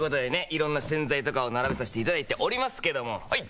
色んな洗剤とかを並べさせていただいておりますけどもはい！